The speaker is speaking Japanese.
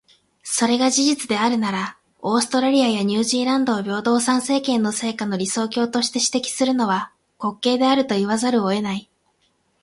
それが事実であるなら、オーストラリアやニュージーランドを平等参政権の成果の理想郷として指摘するのは、滑稽であると言わざるを得ない。